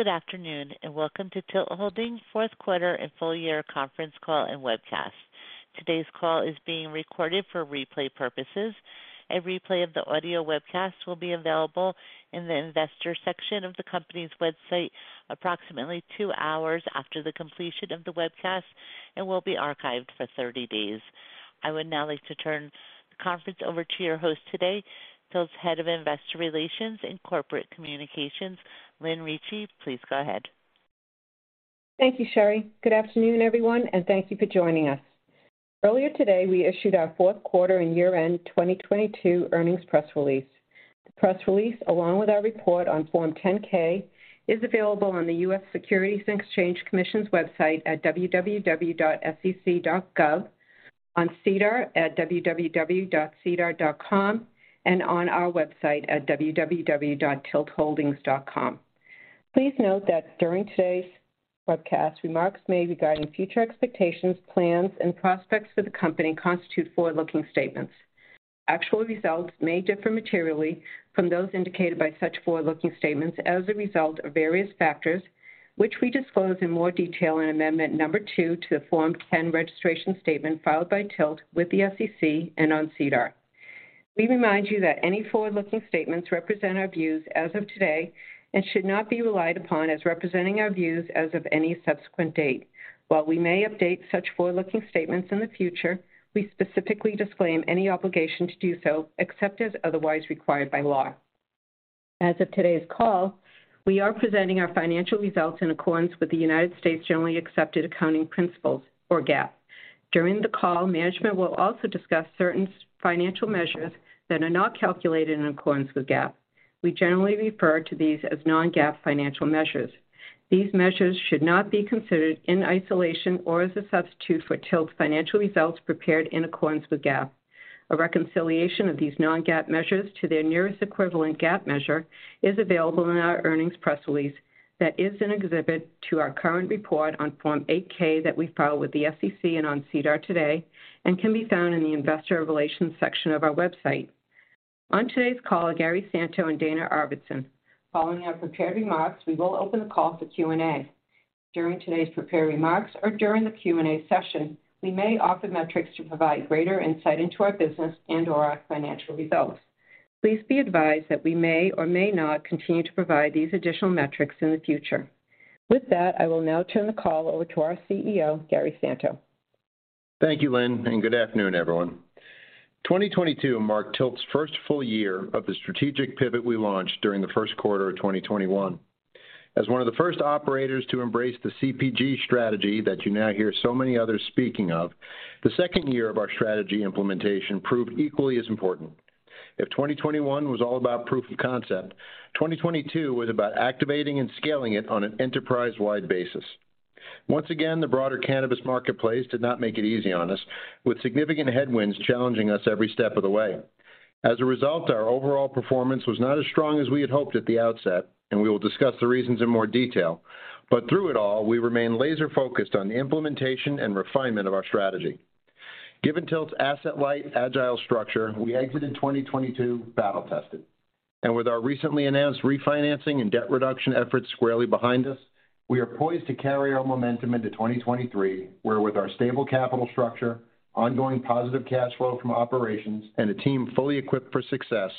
Good afternoon, welcome to TILT Holdings fourth quarter and full year conference call and webcast. Today's call is being recorded for replay purposes. A replay of the audio webcast will be available in the investor section of the company's website approximately 2 hours after the completion of the webcast and will be archived for 30 days. I would now like to turn the conference over to your host today, TILT's Head of Investor Relations and Corporate Communications, Lynn Ricci. Please go ahead. Thank you, Sherry. Good afternoon, everyone, and thank you for joining us. Earlier today, we issued our fourth quarter and year-end 2022 earnings press release. The press release, along with our report on Form 10-K, is available on the U.S. Securities and Exchange Commission's website at www.sec.gov, on SEDAR at www.sedar.com, and on our website at www.tiltholdings.com. Please note that during today's webcast, remarks made regarding future expectations, plans, and prospects for the company constitute forward-looking statements. Actual results may differ materially from those indicated by such forward-looking statements as a result of various factors, which we disclose in more detail in Amendment No. 2 to the Form 10 registration statement filed by TILT with the SEC and on SEDAR. We remind you that any forward-looking statements represent our views as of today and should not be relied upon as representing our views as of any subsequent date. While we may update such forward-looking statements in the future, we specifically disclaim any obligation to do so, except as otherwise required by law. As of today's call, we are presenting our financial results in accordance with the United States generally accepted accounting principles, or GAAP. During the call, management will also discuss certain financial measures that are not calculated in accordance with GAAP. We generally refer to these as non-GAAP financial measures. These measures should not be considered in isolation or as a substitute for TILT's financial results prepared in accordance with GAAP. A reconciliation of these non-GAAP measures to their nearest equivalent GAAP measure is available in our earnings press release that is an exhibit to our current report on Form 8-K that we filed with the SEC and on SEDAR today, and can be found in the investor relations section of our website. On today's call are Gary Santo and Dana Arvidson. Following our prepared remarks, we will open the call for Q&A. During today's prepared remarks or during the Q&A session, we may offer metrics to provide greater insight into our business and/or our financial results. Please be advised that we may or may not continue to provide these additional metrics in the future. With that, I will now turn the call over to our CEO, Gary Santo. Thank you, Lynn. Good afternoon, everyone. 2022 marked TILT's first full year of the strategic pivot we launched during the first quarter of 2021. As one of the first operators to embrace the CPG strategy that you now hear so many others speaking of, the second year of our strategy implementation proved equally as important. If 2021 was all about proof of concept, 2022 was about activating and scaling it on an enterprise-wide basis. Once again, the broader cannabis marketplace did not make it easy on us, with significant headwinds challenging us every step of the way. As a result, our overall performance was not as strong as we had hoped at the outset. We will discuss the reasons in more detail. Through it all, we remain laser-focused on the implementation and refinement of our strategy. Given TILT's asset-light, agile structure, we exited 2022 battle-tested. With our recently announced refinancing and debt reduction efforts squarely behind us, we are poised to carry our momentum into 2023, where with our stable capital structure, ongoing positive cash flow from operations, and a team fully equipped for success,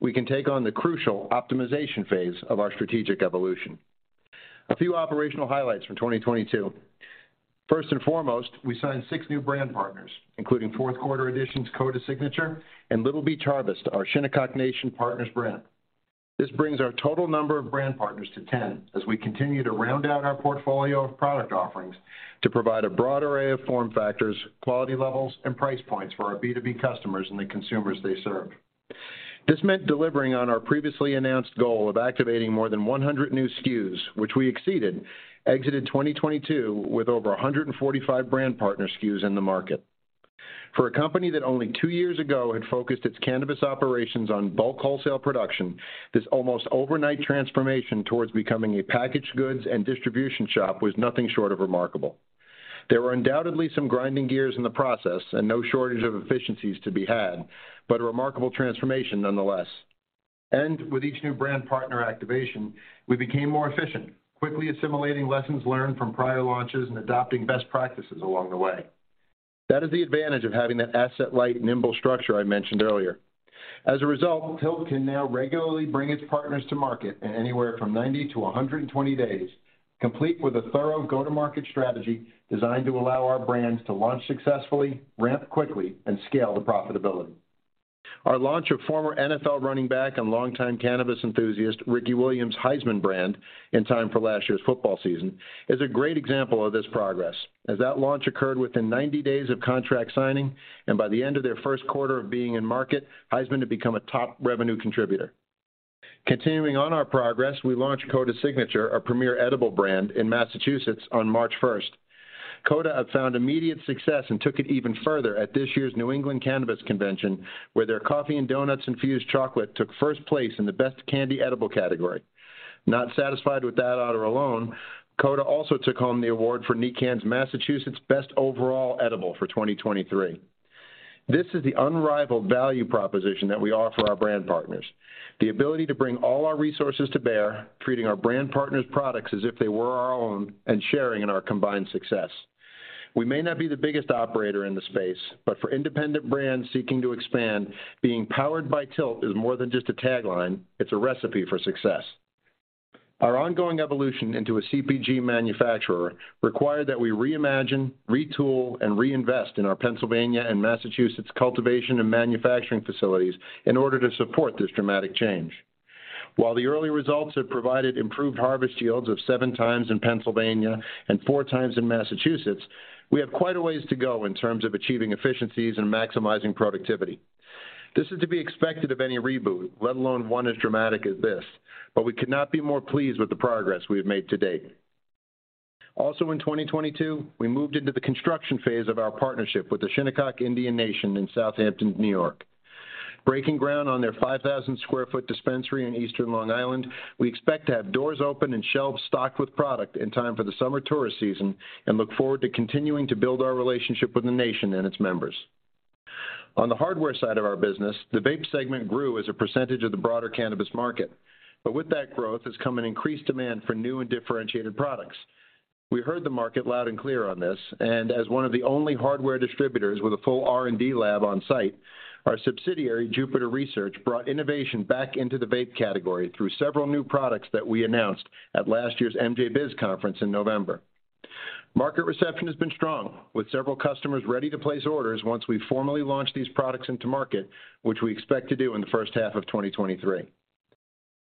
we can take on the crucial optimization phase of our strategic evolution. A few operational highlights from 2022. First and foremost, we signed six new brand partners, including fourth-quarter additions Coda Signature and Little Beach Harvest, our Shinnecock Nation partner's brand. This brings our total number of brand partners to 10 as we continue to round out our portfolio of product offerings to provide a broad array of form factors, quality levels, and price points for our B2B customers and the consumers they serve. This meant delivering on our previously announced goal of activating more than 100 new SKUs, which we exceeded, exited 2022 with over 145 brand partner SKUs in the market. For a company that only two years ago had focused its cannabis operations on bulk wholesale production, this almost overnight transformation towards becoming a packaged goods and distribution shop was nothing short of remarkable. There were undoubtedly some grinding gears in the process and no shortage of efficiencies to be had, but a remarkable transformation nonetheless. With each new brand partner activation, we became more efficient, quickly assimilating lessons learned from prior launches and adopting best practices along the way. That is the advantage of having that asset-light, nimble structure I mentioned earlier. As a result, TILT can now regularly bring its partners to market in anywhere from 90-120 days, complete with a thorough go-to-market strategy designed to allow our brands to launch successfully, ramp quickly, and scale to profitability. Our launch of former NFL running back and longtime cannabis enthusiast Ricky Williams' Highsman brand in time for last year's football season is a great example of this progress, as that launch occurred within 90 days of contract signing. By the end of their first quarter of being in market, Highsman had become a top revenue contributor. Continuing on our progress, we launched Coda Signature, our premier edible brand, in Massachusetts on March 1st. Coda have found immediate success and took it even further at this year's New England Cannabis Convention, where their coffee and donuts infused chocolate took first place in the best candy edible category. Not satisfied with that honor alone, Coda also took home the award for NECANN's Massachusetts best overall edible for 2023. This is the unrivaled value proposition that we offer our brand partners. The ability to bring all our resources to bear, treating our brand partners products as if they were our own, and sharing in our combined success. We may not be the biggest operator in the space, but for independent brands seeking to expand, being powered by TILT is more than just a tagline, it's a recipe for success. Our ongoing evolution into a CPG manufacturer required that we reimagine, retool, and reinvest in our Pennsylvania and Massachusetts cultivation and manufacturing facilities in order to support this dramatic change. While the early results have provided improved harvest yields of 7x in Pennsylvania and 4x in Massachusetts, we have quite a ways to go in terms of achieving efficiencies and maximizing productivity. This is to be expected of any reboot, let alone one as dramatic as this, but we could not be more pleased with the progress we have made to date. In 2022, we moved into the construction phase of our partnership with the Shinnecock Indian Nation in Southampton, New York. Breaking ground on their 5,000 sq ft dispensary in Eastern Long Island, we expect to have doors open and shelves stocked with product in time for the summer tourist season and look forward to continuing to build our relationship with the nation and its members. On the hardware side of our business, the vape segment grew as a percentage of the broader cannabis market. With that growth has come an increased demand for new and differentiated products. We heard the market loud and clear on this, and as one of the only hardware distributors with a full R&D lab on site, our subsidiary, Jupiter Research, brought innovation back into the vape category through several new products that we announced at last year's MJBizCon in November. Market reception has been strong, with several customers ready to place orders once we formally launch these products into market, which we expect to do in the first half of 2023.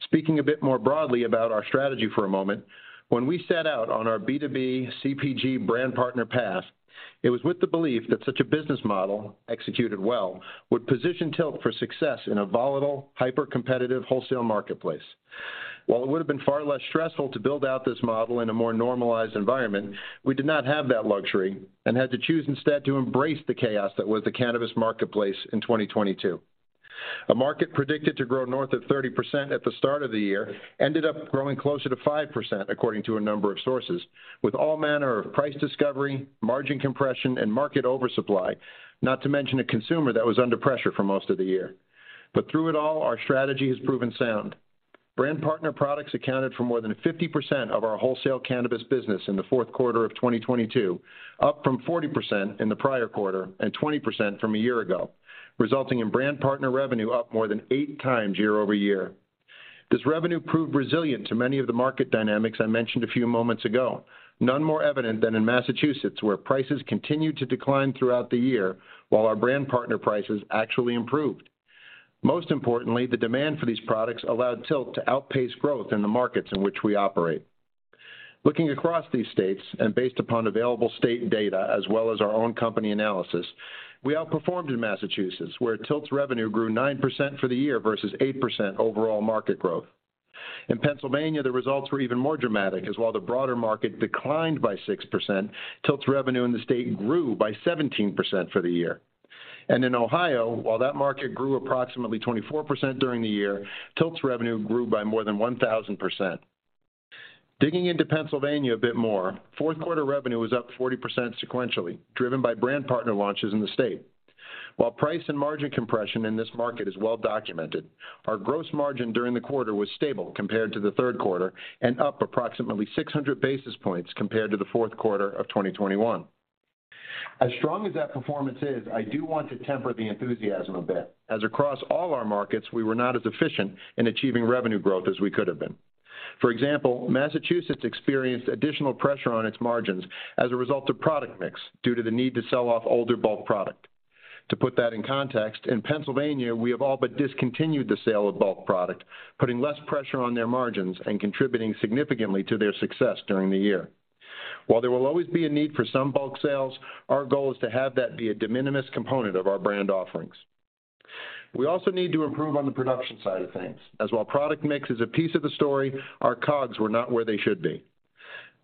Speaking a bit more broadly about our strategy for a moment, when we set out on our B2B CPG brand partner path, it was with the belief that such a business model, executed well, would position TILT for success in a volatile, hyper-competitive wholesale marketplace. While it would have been far less stressful to build out this model in a more normalized environment, we did not have that luxury and had to choose instead to embrace the chaos that was the cannabis marketplace in 2022. A market predicted to grow north of 30% at the start of the year ended up growing closer to 5%, according to a number of sources, with all manner of price discovery, margin compression, and market oversupply, not to mention a consumer that was under pressure for most of the year. Through it all, our strategy has proven sound. Brand partner products accounted for more than 50% of our wholesale cannabis business in the fourth quarter of 2022, up from 40% in the prior quarter and 20% from a year ago, resulting in brand partner revenue up more than 8x year-over-year. This revenue proved resilient to many of the market dynamics I mentioned a few moments ago. None more evident than in Massachusetts, where prices continued to decline throughout the year while our brand partner prices actually improved. Most importantly, the demand for these products allowed TILT to outpace growth in the markets in which we operate. Looking across these states and based upon available state data as well as our own company analysis, we outperformed in Massachusetts, where TILT's revenue grew 9% for the year versus 8% overall market growth. In Pennsylvania, the results were even more dramatic, as while the broader market declined by 6%, TILT's revenue in the state grew by 17% for the year. In Ohio, while that market grew approximately 24% during the year, TILT's revenue grew by more than 1,000%. Digging into Pennsylvania a bit more, fourth quarter revenue was up 40% sequentially, driven by brand partner launches in the state. While price and margin compression in this market is well documented, our gross margin during the quarter was stable compared to the third quarter and up approximately 600 basis points compared to the fourth quarter of 2021. As strong as that performance is, I do want to temper the enthusiasm a bit, as across all our markets, we were not as efficient in achieving revenue growth as we could have been. For example, Massachusetts experienced additional pressure on its margins as a result of product mix due to the need to sell off older bulk product. To put that in context, in Pennsylvania, we have all but discontinued the sale of bulk product, putting less pressure on their margins and contributing significantly to their success during the year. While there will always be a need for some bulk sales, our goal is to have that be a de minimis component of our brand offerings. We also need to improve on the production side of things, as while product mix is a piece of the story, our COGS were not where they should be.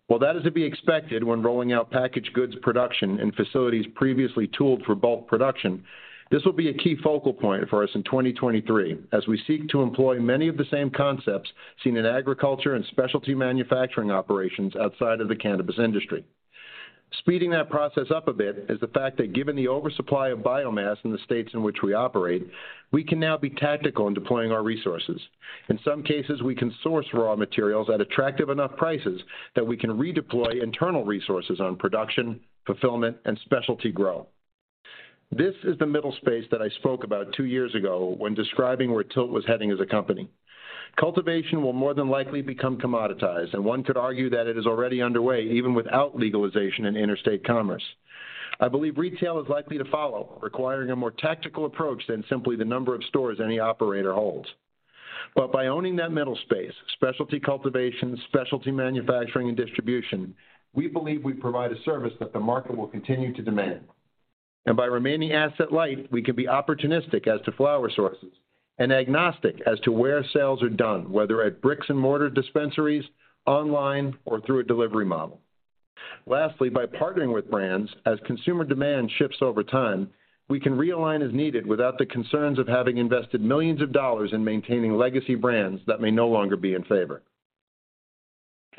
While that is to be expected when rolling out packaged goods production in facilities previously tooled for bulk production, this will be a key focal point for us in 2023 as we seek to employ many of the same concepts seen in agriculture and specialty manufacturing operations outside of the cannabis industry. Speeding that process up a bit is the fact that given the oversupply of biomass in the states in which we operate, we can now be tactical in deploying our resources. In some cases, we can source raw materials at attractive enough prices that we can redeploy internal resources on production, fulfillment, and specialty grow. This is the middle space that I spoke about two years ago when describing where TILT was heading as a company. Cultivation will more than likely become commoditized, one could argue that it is already underway even without legalization in interstate commerce. I believe retail is likely to follow, requiring a more tactical approach than simply the number of stores any operator holds. By owning that middle space, specialty cultivation, specialty manufacturing, and distribution, we believe we provide a service that the market will continue to demand. By remaining asset light, we can be opportunistic as to flower sources and agnostic as to where sales are done, whether at bricks-and-mortar dispensaries, online, or through a delivery model. Lastly, by partnering with brands, as consumer demand shifts over time, we can realign as needed without the concerns of having invested millions of dollars in maintaining legacy brands that may no longer be in favor.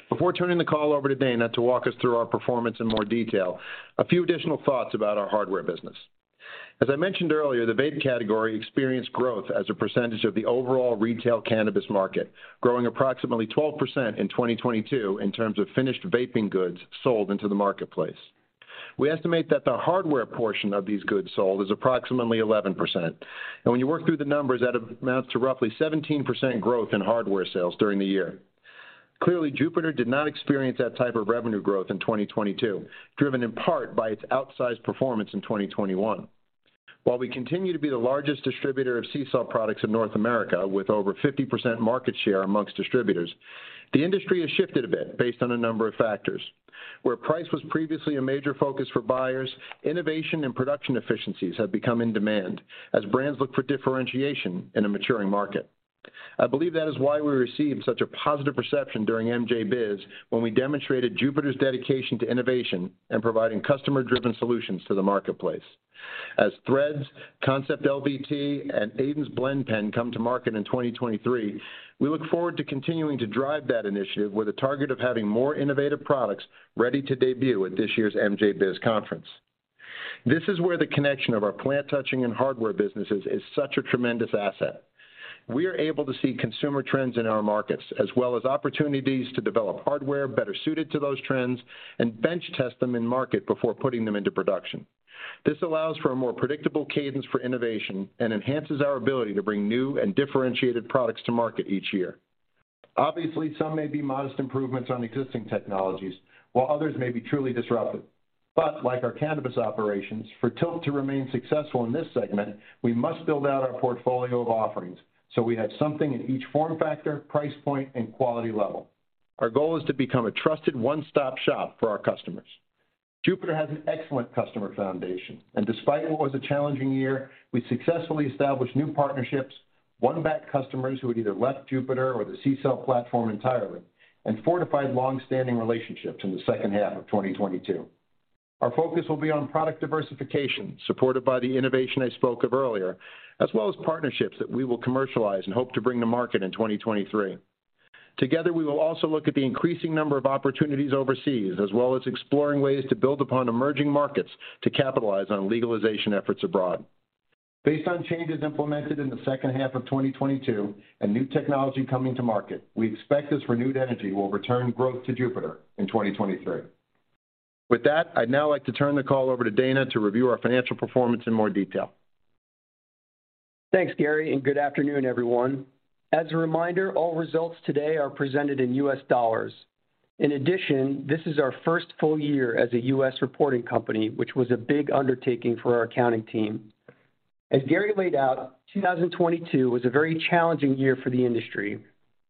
Before turning the call over to Dana to walk us through our performance in more detail, a few additional thoughts about our hardware business. As I mentioned earlier, the vape category experienced growth as a percentage of the overall retail cannabis market, growing approximately 12% in 2022 in terms of finished vaping goods sold into the marketplace. We estimate that the hardware portion of these goods sold is approximately 11%. When you work through the numbers, that amounts to roughly 17% growth in hardware sales during the year. Clearly, Jupiter did not experience that type of revenue growth in 2022, driven in part by its outsized performance in 2021. While we continue to be the largest distributor of CCELL products in North America with over 50% market share amongst distributors, the industry has shifted a bit based on a number of factors. Where price was previously a major focus for buyers, innovation and production efficiencies have become in demand as brands look for differentiation in a maturing market. I believe that is why we received such a positive perception during MJBizCon when we demonstrated Jupiter's dedication to innovation and providing customer-driven solutions to the marketplace. THREDZ, Concept LVT, and Aiden's Blend Pen come to market in 2023, we look forward to continuing to drive that initiative with a target of having more innovative products ready to debut at this year's MJBizCon. This is where the connection of our plant-touching and hardware businesses is such a tremendous asset. We are able to see consumer trends in our markets, as well as opportunities to develop hardware better suited to those trends and bench test them in market before putting them into production. This allows for a more predictable cadence for innovation and enhances our ability to bring new and differentiated products to market each year. Obviously, some may be modest improvements on existing technologies, while others may be truly disruptive. Like our cannabis operations, for TILT to remain successful in this segment, we must build out our portfolio of offerings, so we have something in each form factor, price point, and quality level. Our goal is to become a trusted one-stop shop for our customers. Jupiter has an excellent customer foundation, and despite what was a challenging year, we successfully established new partnerships, won back customers who had either left Jupiter or the CCELL platform entirely, and fortified long-standing relationships in the second half of 2022. Our focus will be on product diversification, supported by the innovation I spoke of earlier, as well as partnerships that we will commercialize and hope to bring to market in 2023. Together, we will also look at the increasing number of opportunities overseas, as well as exploring ways to build upon emerging markets to capitalize on legalization efforts abroad. Based on changes implemented in the second half of 2022 and new technology coming to market, we expect this renewed energy will return growth to Jupiter in 2023. With that, I'd now like to turn the call over to Dana to review our financial performance in more detail. Thanks, Gary. Good afternoon, everyone. As a reminder, all results today are presented in U.S. dollars. In addition, this is our first full year as a U.S. reporting company, which was a big undertaking for our accounting team. As Gary laid out, 2022 was a very challenging year for the industry.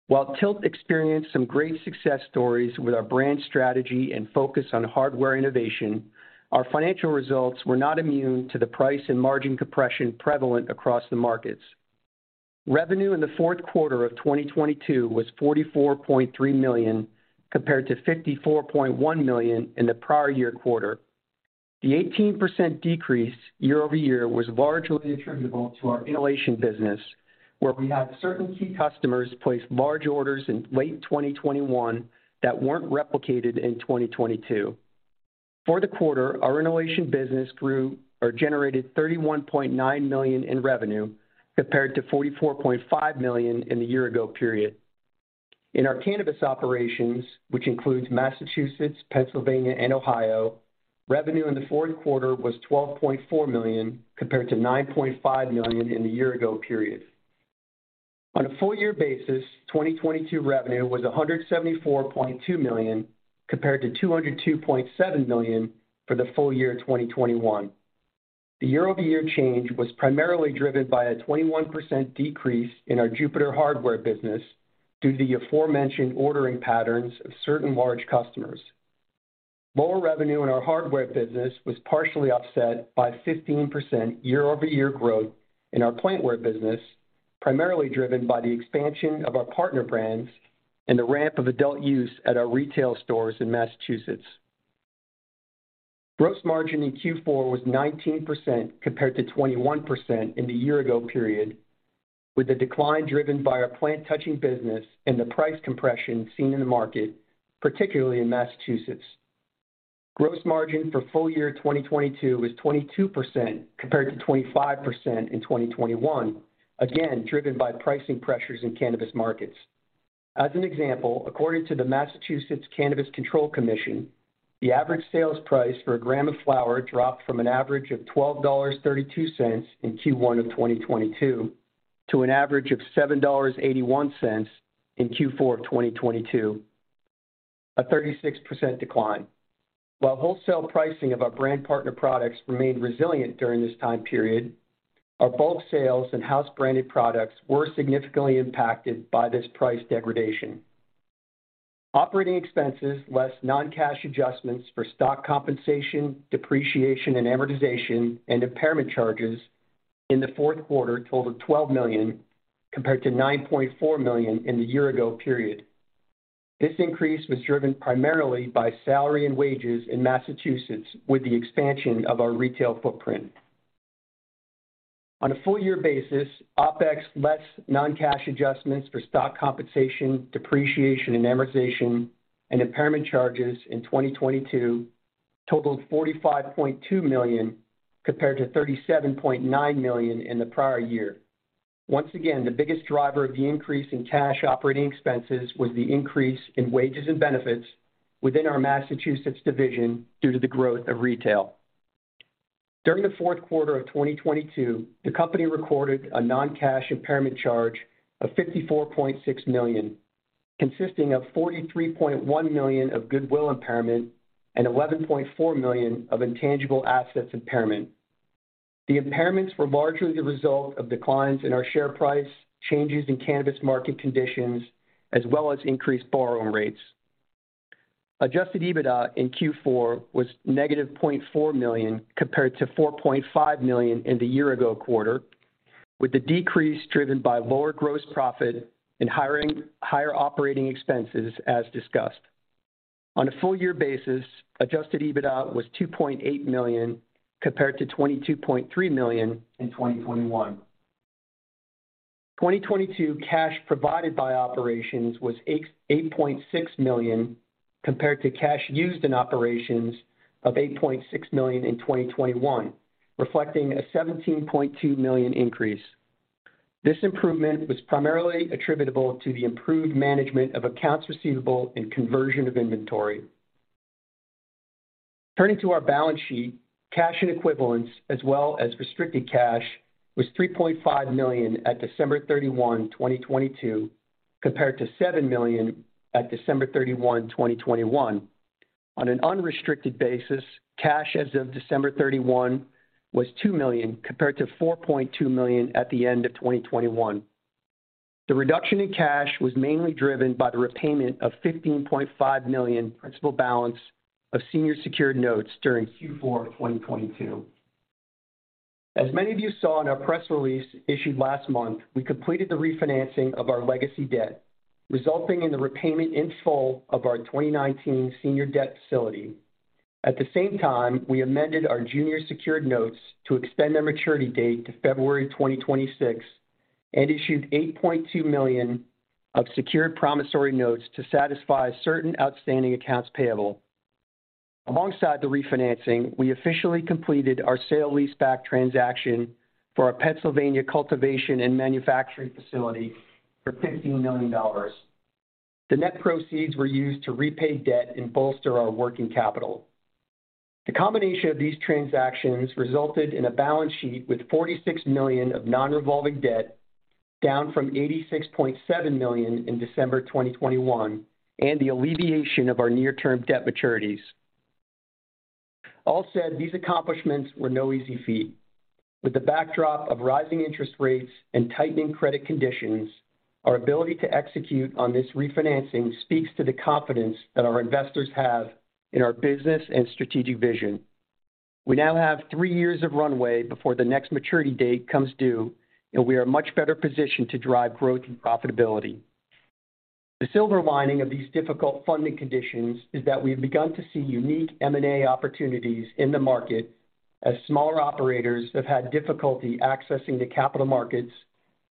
While TILT experienced some great success stories with our brand strategy and focus on hardware innovation, our financial results were not immune to the price and margin compression prevalent across the markets. Revenue in the fourth quarter of 2022 was $44.3 million, compared to $54.1 million in the prior year quarter. The 18% decrease year-over-year was largely attributable to our inhalation business, where we had certain key customers place large orders in late 2021 that weren't replicated in 2022. For the quarter, our inhalation business grew or generated $31.9 million in revenue compared to $44.5 million in the year-ago period. Our cannabis operations, which includes Massachusetts, Pennsylvania, and Ohio, revenue in the fourth quarter was $12.4 million, compared to $9.5 million in the year-ago period. On a full year basis, 2022 revenue was $174.2 million, compared to $202.7 million for the full year 2021. The year-over-year change was primarily driven by a 21% decrease in our Jupiter hardware business due to the aforementioned ordering patterns of certain large customers. Lower revenue in our hardware business was partially offset by a 15% year-over-year growth in our plantware business, primarily driven by the expansion of our partner brands and the ramp of adult use at our retail stores in Massachusetts. Gross margin in Q4 was 19% compared to 21% in the year-ago period, with the decline driven by our plant-touching business and the price compression seen in the market, particularly in Massachusetts. Gross margin for full year 2022 was 22% compared to 25% in 2021, again driven by pricing pressures in cannabis markets. As an example, according to the Massachusetts Cannabis Control Commission, the average sales price for a gram of flower dropped from an average of $12.32 in Q1 of 2022 to an average of $7.81 in Q4 of 2022. A 36% decline. While wholesale pricing of our brand partner products remained resilient during this time period, our bulk sales and house branded products were significantly impacted by this price degradation. Operating expenses, less non-cash adjustments for stock compensation, depreciation and amortization, and impairment charges in the fourth quarter totaled $12 million, compared to $9.4 million in the year-ago period. This increase was driven primarily by salary and wages in Massachusetts with the expansion of our retail footprint. On a full year basis, OpEx less non-cash adjustments for stock compensation, depreciation, and amortization and impairment charges in 2022 totaled $45.2 million, compared to $37.9 million in the prior year. Once again, the biggest driver of the increase in cash operating expenses was the increase in wages and benefits within our Massachusetts division due to the growth of retail. During the fourth quarter of 2022, the company recorded a non-cash impairment charge of $54.6 million, consisting of $43.1 million of goodwill impairment and $11.4 million of intangible assets impairment. The impairments were largely the result of declines in our share price, changes in cannabis market conditions, as well as increased borrowing rates. Adjusted EBITDA in Q4 was -$0.4 million, compared to $4.5 million in the year-ago quarter, with the decrease driven by lower gross profit and higher operating expenses as discussed. On a full year basis, Adjusted EBITDA was $2.8 million compared to $22.3 million in 2021. 2022 cash provided by operations was $8.6 million, compared to cash used in operations of $8.6 million in 2021, reflecting a $17.2 million increase. This improvement was primarily attributable to the improved management of accounts receivable and conversion of inventory. Turning to our balance sheet, cash and equivalents, as well as restricted cash, was $3.5 million at December 31, 2022, compared to $7 million at December 31, 2021. On an unrestricted basis, cash as of December 31 was $2 million, compared to $4.2 million at the end of 2021. The reduction in cash was mainly driven by the repayment of $15.5 million principal balance of senior secured notes during Q4 of 2022. As many of you saw in our press release issued last month, we completed the refinancing of our legacy debt, resulting in the repayment in full of our 2019 senior debt facility. At the same time, we amended our junior secured notes to extend their maturity date to February 2026 and issued $8.2 million of secured promissory notes to satisfy certain outstanding accounts payable. Alongside the refinancing, we officially completed our sale leaseback transaction for our Pennsylvania cultivation and manufacturing facility for $15 million. The net proceeds were used to repay debt and bolster our working capital. The combination of these transactions resulted in a balance sheet with $46 million of non-revolving debt, down from $86.7 million in December 2021, and the alleviation of our near-term debt maturities. All said, these accomplishments were no easy feat. With the backdrop of rising interest rates and tightening credit conditions, our ability to execute on this refinancing speaks to the confidence that our investors have in our business and strategic vision. We now have three years of runway before the next maturity date comes due, and we are much better positioned to drive growth and profitability. The silver lining of these difficult funding conditions is that we've begun to see unique M&A opportunities in the market as smaller operators have had difficulty accessing the capital markets,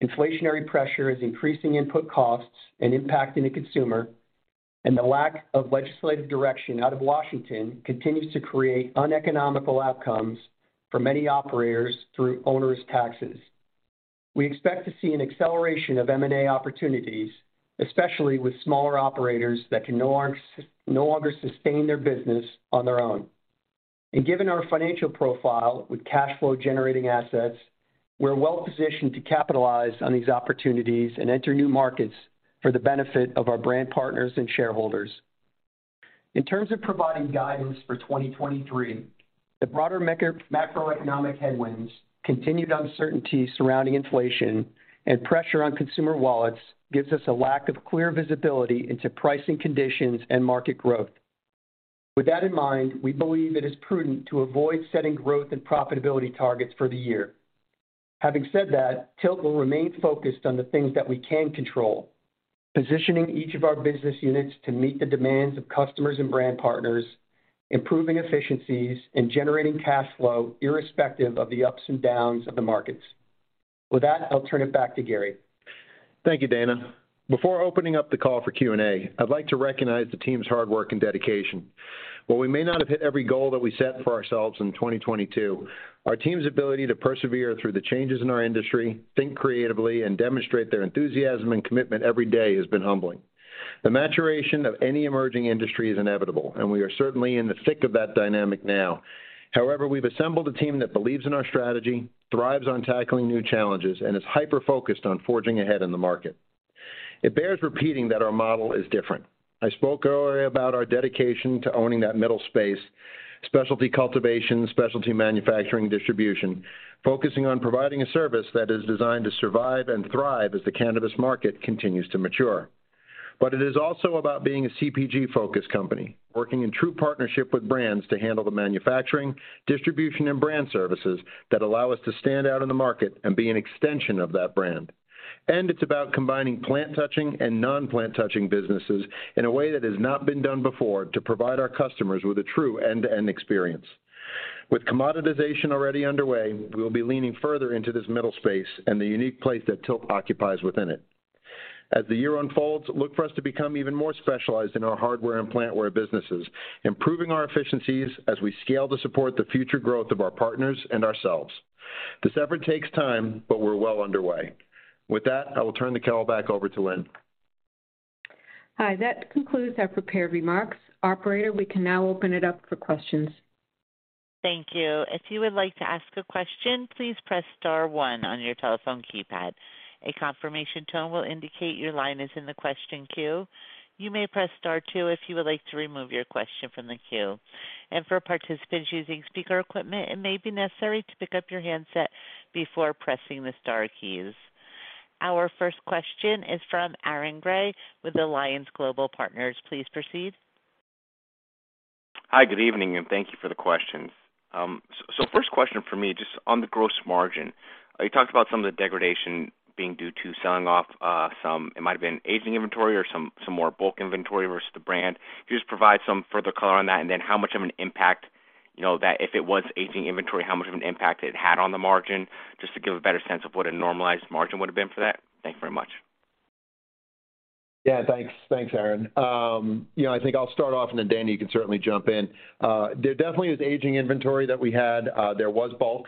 inflationary pressure is increasing input costs and impacting the consumer, and the lack of legislative direction out of Washington continues to create uneconomical outcomes for many operators through onerous taxes. We expect to see an acceleration of M&A opportunities, especially with smaller operators that can no longer sustain their business on their own. Given our financial profile with cash flow generating assets, we're well-positioned to capitalize on these opportunities and enter new markets for the benefit of our brand partners and shareholders. In terms of providing guidance for 2023, the broader macroeconomic headwinds, continued uncertainty surrounding inflation, and pressure on consumer wallets gives us a lack of clear visibility into pricing conditions and market growth. With that in mind, we believe it is prudent to avoid setting growth and profitability targets for the year. Having said that, TILT will remain focused on the things that we can control, positioning each of our business units to meet the demands of customers and brand partners, improving efficiencies, and generating cash flow irrespective of the ups and downs of the markets. With that, I'll turn it back to Gary. Thank you, Dana. Before opening up the call for Q&A, I'd like to recognize the team's hard work and dedication. While we may not have hit every goal that we set for ourselves in 2022, our team's ability to persevere through the changes in our industry, think creatively, and demonstrate their enthusiasm and commitment every day has been humbling. The maturation of any emerging industry is inevitable, and we are certainly in the thick of that dynamic now. However, we've assembled a team that believes in our strategy, thrives on tackling new challenges, and is hyper-focused on forging ahead in the market. It bears repeating that our model is different. I spoke earlier about our dedication to owning that middle space, specialty cultivation, specialty manufacturing, distribution, focusing on providing a service that is designed to survive and thrive as the cannabis market continues to mature. It is also about being a CPG-focused company, working in true partnership with brands to handle the manufacturing, distribution, and brand services that allow us to stand out in the market and be an extension of that brand. It's about combining plant-touching and non-plant-touching businesses in a way that has not been done before to provide our customers with a true end-to-end experience. With commoditization already underway, we will be leaning further into this middle space and the unique place that TILT occupies within it. As the year unfolds, look for us to become even more specialized in our hardware and plant-touching businesses, improving our efficiencies as we scale to support the future growth of our partners and ourselves. This effort takes time, but we're well underway. With that, I will turn the call back over to Lynn. Hi, that concludes our prepared remarks. Operator, we can now open it up for questions. Thank you. If you would like to ask a question, please press star one on your telephone keypad. A confirmation tone will indicate your line is in the question queue. You may press star two if you would like to remove your question from the queue. For participants using speaker equipment, it may be necessary to pick up your handset before pressing the star keys. Our first question is from Aaron Grey with Alliance Global Partners. Please proceed. Hi, good evening, thank you for the questions. First question for me, just on the gross margin. You talked about some of the degradation being due to selling off some, it might have been aging inventory or some more bulk inventory versus the brand. Can you just provide some further color on that? How much of an impact that if it was aging inventory, how much of an impact it had on the margin just to give a better sense of what a normalized margin would have been for that? Thank you very much. Thanks. Thanks, Aaron. I think I'll start off and then, Dana, you can certainly jump in. There definitely is aging inventory that we had. There was bulk.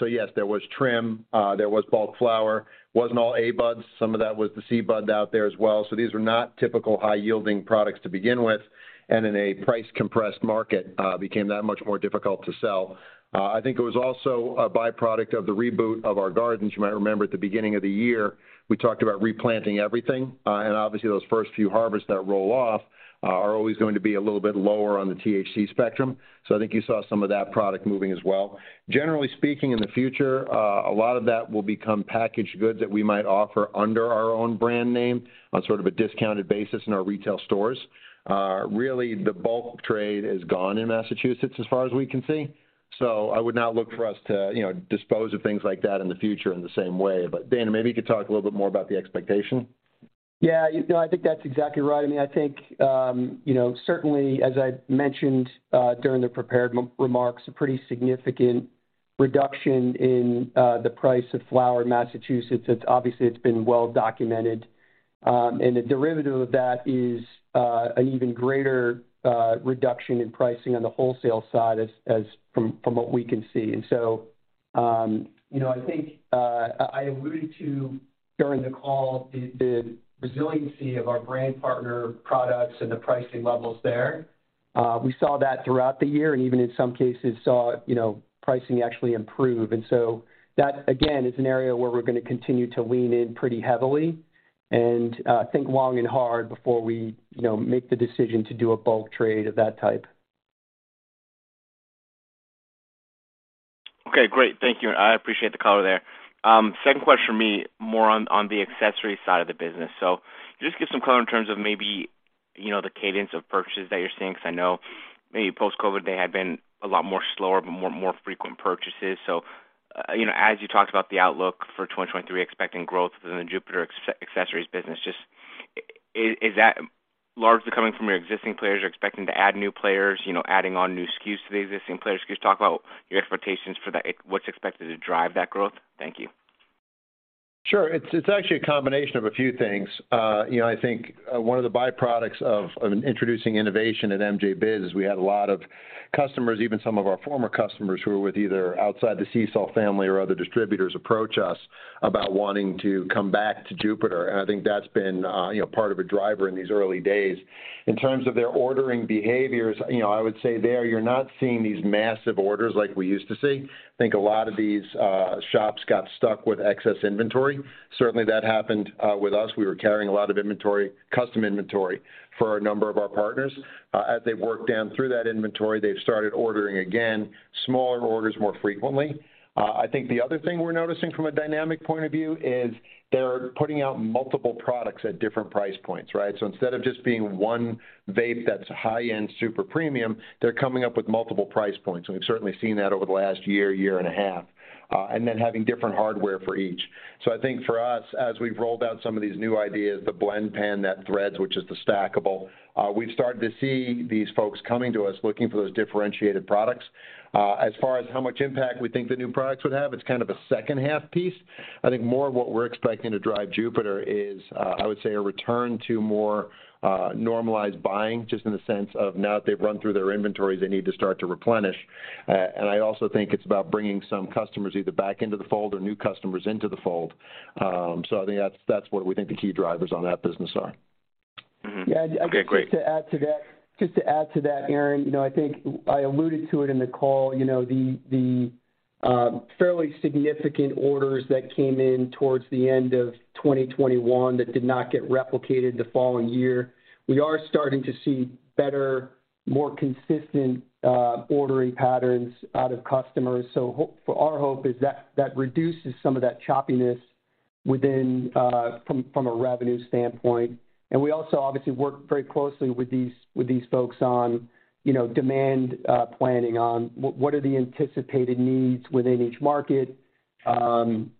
Yes, there was trim, there was bulk flower. Wasn't all A buds. Some of that was the C bud out there as well. These were not typical high-yielding products to begin with, and in a price-compressed market, became that much more difficult to sell. I think it was also a byproduct of the reboot of our gardens. You might remember at the beginning of the year, we talked about replanting everything. Obviously, those first few harvests that roll off, are always going to be a little bit lower on the THC spectrum. I think you saw some of that product moving as well. Generally speaking, in the future, a lot of that will become packaged goods that we might offer under our own brand name on sort of a discounted basis in our retail stores. Really, the bulk trade is gone in Massachusetts as far as we can see. I would not look for us to dispose of things like that in the future in the same way. Dana, maybe you could talk a little bit more about the expectation. You know, I think that's exactly right. I mean, I think, you know, certainly as I mentioned, during the prepared re-remarks, a pretty significant reduction in the price of flower in Massachusetts. It's obviously it's been well documented. A derivative of that is an even greater reduction in pricing on the wholesale side as from what we can see. I think, I alluded to during the call, the resiliency of our brand partner products and the pricing levels there. We saw that throughout the year, and even in some cases saw pricing actually improve. That, again, is an area where we're gonna continue to lean in pretty heavily and think long and hard before wemake the decision to do a bulk trade of that type. Okay, great. Thank you. I appreciate the color there. Second question for me, more on the accessory side of the business. Just give some color in terms of maybe the cadence of purchases that you're seeing, because I know maybe post-COVID, they had been a lot more slower, but more frequent purchases. You know, as you talked about the outlook for 2023, expecting growth within the Jupiter accessories business, just is that largely coming from your existing players? You're expecting to add new player adding on new SKUs to the existing players? Can you just talk about your expectations for that? What's expected to drive that growth? Thank you. Sure. It's actually a combination of a few things. You know, I think one of the byproducts of introducing innovation at MJBiz is we had a lot of customers, even some of our former customers who were with either outside the CCELL family or other distributors, approach us about wanting to come back to Jupiter. I think that's been, you know, part of a driver in these early days. In terms of their ordering behaviors, I would say there you're not seeing these massive orders like we used to see. I think a lot of these shops got stuck with excess inventory. Certainly, that happened with us. We were carrying a lot of inventory, custom inventory for a number of our partners. As they've worked down through that inventory, they've started ordering again, smaller orders more frequently. I think the other thing we're noticing from a dynamic point of view is they're putting out multiple products at different price points, right? Instead of just being one vape that's high-end, super premium, they're coming up with multiple price points. We've certainly seen that over the last year and a half, and then having different hardware for each. I think for us, as we've rolled out some of these new ideas, the Blend Pen, that THREDZ, which is the stackable, we've started to see these folks coming to us looking for those differentiated products. As far as how much impact we think the new products would have, it's kind of a second half piece. I think more of what we're expecting to drive Jupiter is, I would say a return to more normalized buying, just in the sense of now that they've run through their inventories, they need to start to replenish. I also think it's about bringing some customers either back into the fold or new customers into the fold. I think that's what we think the key drivers on that business are. Okay, great. Yeah, just to add to that, Aaron, you know, I think I alluded to it in the call, the fairly significant orders that came in towards the end of 2021 that did not get replicated the following year. We are starting to see better, more consistent ordering patterns out of customers. Our hope is that reduces some of that choppiness within from a revenue standpoint. We also obviously work very closely with these folks on, you know, demand, planning, on what are the anticipated needs within each market. You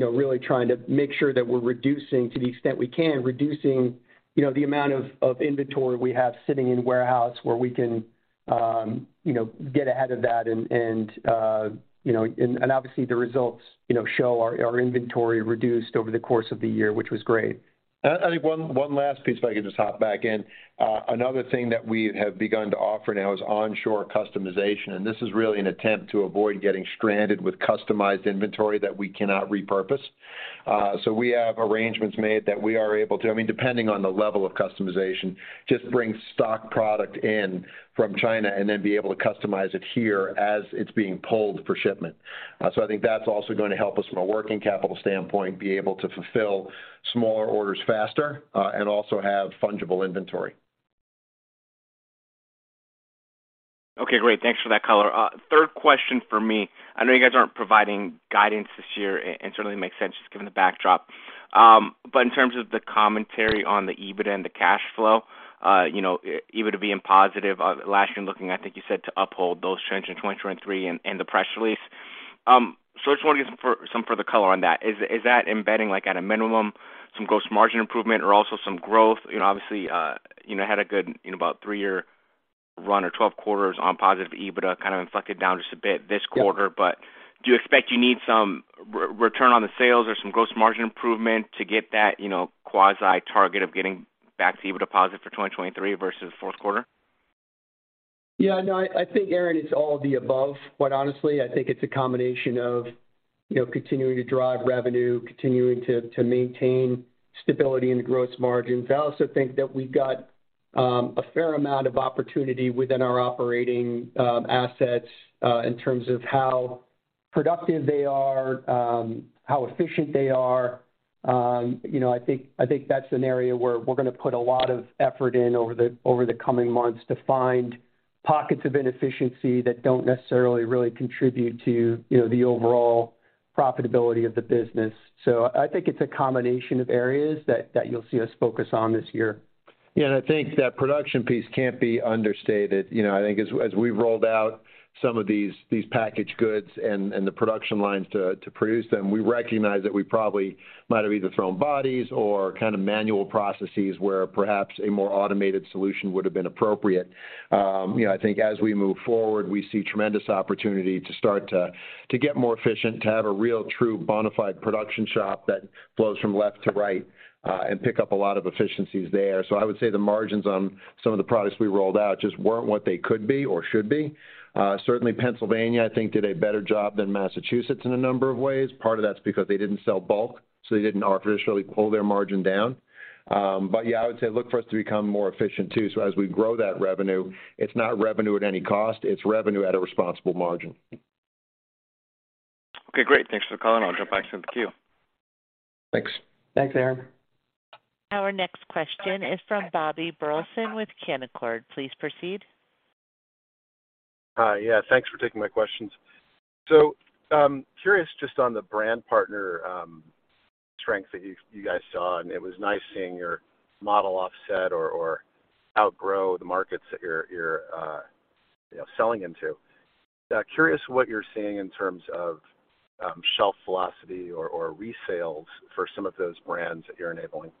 know, really trying to make sure that we're reducing, to the extent we can, reducingthe amount of inventory we have sitting in warehouse where we can get ahead of that and obviously the results, you know, show our inventory reduced over the course of the year, which was great. I think one last piece if I could just hop back in. Another thing that we have begun to offer now is onshore customization, and this is really an attempt to avoid getting stranded with customized inventory that we cannot repurpose. We have arrangements made that we are able to, I mean, depending on the level of customization, just bring stock product in from China and then be able to customize it here as it's being pulled for shipment. I think that's also going to help us from a working capital standpoint, be able to fulfill smaller orders faster, and also have fungible inventory. Okay, great. Thanks for that color. Third question from me. I know you guys aren't providing guidance this year, and it certainly makes sense just given the backdrop. In terms of the commentary on the EBITDA and the cash flow, you know, EBITDA being positive, last year looking, I think you said to uphold those trends in 2023 in the press release. I just wanna get some further color on that. Is that embedding, like, at a minimum some gross margin improvement or also some growth? You know, obviously, you know, had a good, you know, about three-year run or 12 quarters on positive EBITDA, kind of inflected down just a bit this quarter. Do you expect you need some re-return on the sales or some gross margin improvement to get that, you know, quasi target of getting back to EBITDA deposit for 2023 versus fourth quarter? Yeah, no, I think, Aaron, it's all of the above. Honestly, I think it's a combination of, you know, continuing to drive revenue, continuing to maintain stability in the gross margins. I also think that we've got a fair amount of opportunity within our operating assets in terms of how productive they are, how efficient they are. You know, I think that's an area where we're gonna put a lot of effort in over the coming months to find pockets of inefficiency that don't necessarily really contribute to, you know, the overall profitability of the business. I think it's a combination of areas that you'll see us focus on this year. Yeah, I think that production piece can't be understated. You know, I think as we've rolled out some of these packaged goods and the production lines to produce them, we recognize that we probably might have either thrown bodies or kind of manual processes where perhaps a more automated solution would have been appropriate. You know, I think as we move forward, we see tremendous opportunity to start to get more efficient, to have a real true bona fide production shop that flows from left to right, and pick up a lot of efficiencies there. I would say the margins on some of the products we rolled out just weren't what they could be or should be. Certainly Pennsylvania, I think, did a better job than Massachusetts in a number of ways. Part of that's because they didn't sell bulk, so they didn't artificially pull their margin down. Yeah, I would say look for us to become more efficient too. As we grow that revenue, it's not revenue at any cost, it's revenue at a responsible margin. Okay, great. Thanks for the call, and I'll jump back to the queue. Thanks. Thanks, Aaron. Our next question is from Bobby Burleson with Canaccord. Please proceed. Hi. Yeah, thanks for taking my questions. Curious just on the brand partner strength that you guys saw, and it was nice seeing your model offset or outgrow the markets that you're, you know, selling into. Curious what you're seeing in terms of shelf velocity or resales for some of those brands that you're enabling?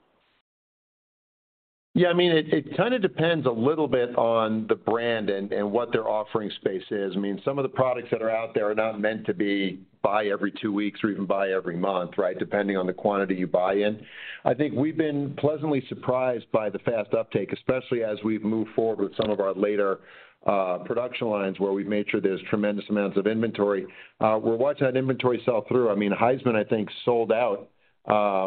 Yeah, I mean, it kind of depends a little bit on the brand and what their offering space is. I mean, some of the products that are out there are not meant to be buy every two weeks or even buy every month, right? Depending on the quantity you buy in. I think we've been pleasantly surprised by the fast uptake, especially as we've moved forward with some of our later production lines where we've made sure there's tremendous amounts of inventory. We're watching that inventory sell through. I mean, Highsman, I think, sold out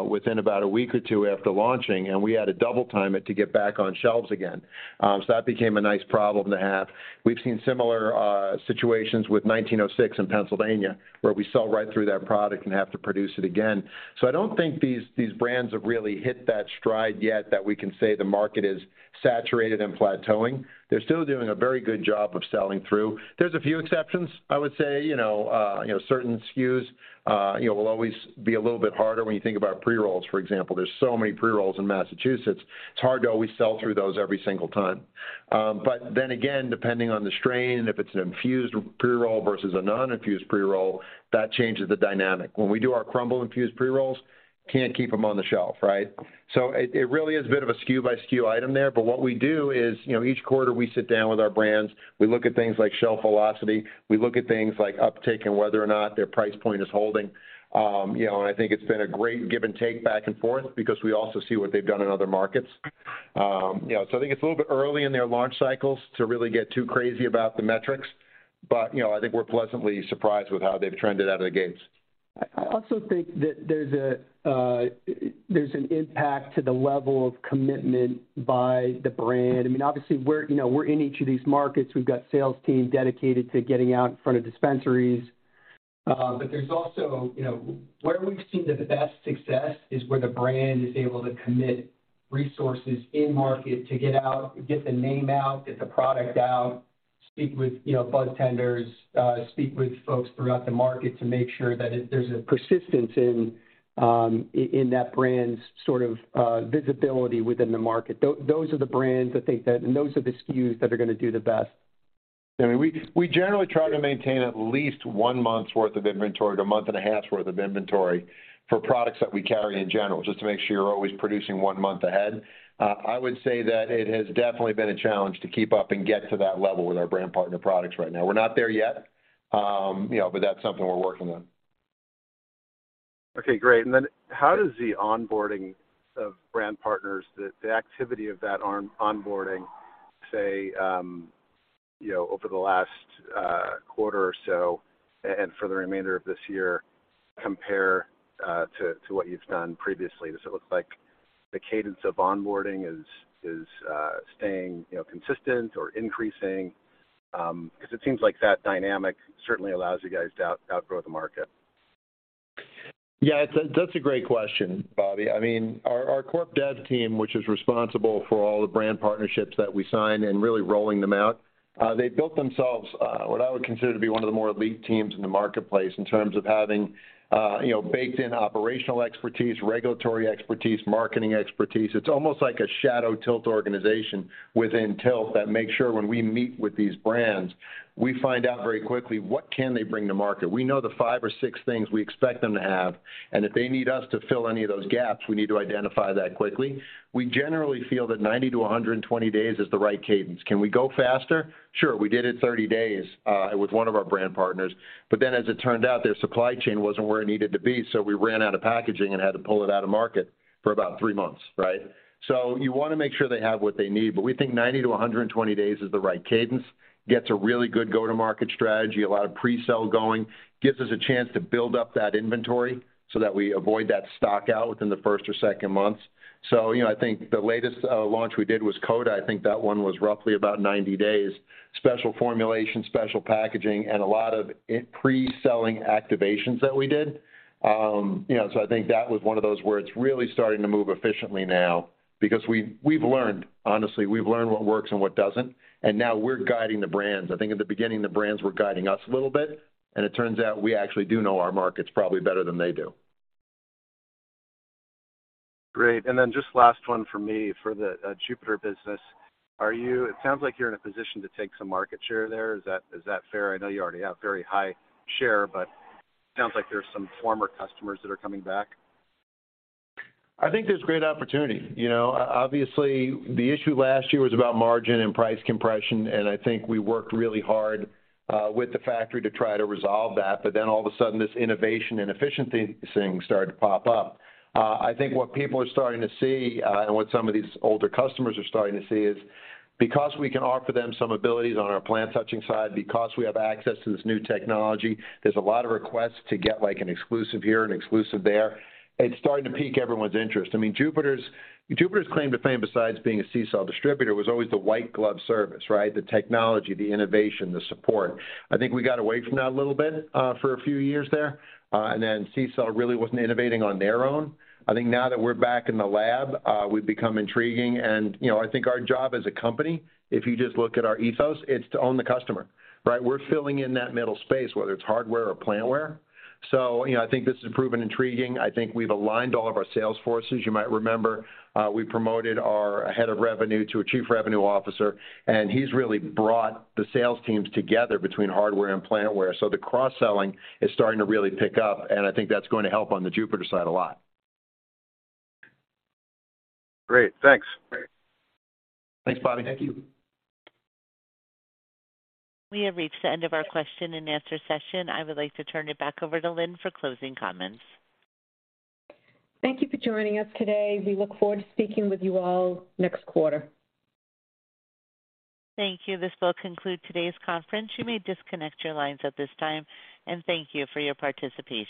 within about a week or two after launching, and we had to double time it to get back on shelves again. That became a nice problem to have. We've seen similar situations with 1906 in Pennsylvania, where we sell right through that product and have to produce it again. I don't think these brands have really hit that stride yet that we can say the market is saturated and plateauing. They're still doing a very good job of selling through. There's a few exceptions, I would say. You know, you know, certain SKUs, you know, will always be a little bit harder when you think about pre-rolls, for example. There's so many pre-rolls in Massachusetts, it's hard to always sell through those every single time. Again, depending on the strain, if it's an infused pre-roll versus a non-infused pre-roll, that changes the dynamic. When we do our crumble-infused pre-rolls, can't keep them on the shelf, right? It really is a bit of a SKU by SKU item there. What we do is, you know, each quarter we sit down with our brands, we look at things like shelf velocity, we look at things like uptake and whether or not their price point is holding. You know, and I think it's been a great give and take back and forth because we also see what they've done in other markets. You know, so I think it's a little bit early in their launch cycles to really get too crazy about the metrics, but, you know, I think we're pleasantly surprised with how they've trended out of the gates. I also think that there's an impact to the level of commitment by the brand. I mean, obviously we're, you know, we're in each of these markets, we've got sales team dedicated to getting out in front of dispensaries. There's also, you know, where we've seen the best success is where the brand is able to commit resources in market to get out, get the name out, get the product out, speak with, you know, budtenders, speak with folks throughout the market to make sure that there's a persistence in that brand's sort of visibility within the market. Those are the brands I think that, those are the SKUs that are gonna do the best. I mean, we generally try to maintain at least 1 month's worth of inventory to a month and a half's worth of inventory for products that we carry in general, just to make sure you're always producing one month ahead. I would say that it has definitely been a challenge to keep up and get to that level with our brand partner products right now. We're not there yet, you know, but that's something we're working on. Okay, great. How does the onboarding of brand partners, the activity of that onboarding, say, you know, over the last quarter or so and for the remainder of this year compare to what you've done previously? Does it look like the cadence of onboarding is staying, you know, consistent or increasing? 'Cause it seems like that dynamic certainly allows you guys to outgrow the market. Yeah, that's a great question, Bobby. I mean, our corp dev team, which is responsible for all the brand partnerships that we sign and really rolling them out, they built themselves, what I would consider to be one of the more elite teams in the marketplace in terms of having, you know, baked-in operational expertise, regulatory expertise, marketing expertise. It's almost like a shadow TILT organization within TILT that makes sure when we meet with these brands, we find out very quickly what can they bring to market. We know the five or six things we expect them to have, and if they need us to fill any of those gaps, we need to identify that quickly. We generally feel that 90-120 days is the right cadence. Can we go faster? Sure. We did it 30 days with one of our brand partners, as it turned out, their supply chain wasn't where it needed to be, we ran out of packaging and had to pull it out of market for about three months, right? You wanna make sure they have what they need, we think 90-120 days is the right cadence. Gets a really good go-to-market strategy, a lot of presale going, gives us a chance to build up that inventory so that we avoid that stock out within the first or second months. You know, I think the latest launch we did was Coda. I think that one was roughly about 90 days. Special formulation, special packaging, a lot of pre-selling activations that we did. You know, I think that was one of those where it's really starting to move efficiently now because we've learned, honestly, we've learned what works and what doesn't. Now we're guiding the brands. I think in the beginning, the brands were guiding us a little bit. It turns out we actually do know our markets probably better than they do. Great. Just last one for me. For the Jupiter business, it sounds like you're in a position to take some market share there. Is that fair? I know you already have very high share, but it sounds like there's some former customers that are coming back. I think there's great opportunity. You know, obviously, the issue last year was about margin and price compression, and I think we worked really hard with the factory to try to resolve that. All of a sudden, this innovation and efficiency thing started to pop up. I think what people are starting to see, and what some of these older customers are starting to see is because we can offer them some abilities on our plant-touching side, because we have access to this new technology, there's a lot of requests to get like an exclusive here, an exclusive there. It's starting to pique everyone's interest. I mean, Jupiter's claim to fame, besides being a CCELL distributor, was always the white glove service, right? The technology, the innovation, the support. I think we got away from that a little bit for a few years there, and then CCELL really wasn't innovating on their own. I think now that we're back in the lab, we've become intriguing and, you know, I think our job as a company, if you just look at our ethos, it's to own the customer, right? We're filling in that middle space, whether it's hardware or plant-touching. You know, I think this has proven intriguing. I think we've aligned all of our sales forces. You might remember, we promoted our head of revenue to a chief revenue officer, and he's really brought the sales teams together between hardware and plant-touching. The cross-selling is starting to really pick up, and I think that's going to help on the Jupiter side a lot. Great. Thanks. Thanks, Bobby. Thank you. We have reached the end of our question and answer session. I would like to turn it back over to Lynn for closing comments. Thank you for joining us today. We look forward to speaking with you all next quarter. Thank you. This will conclude today's conference. You may disconnect your lines at this time, and thank you for your participation.